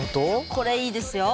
これいいですよ。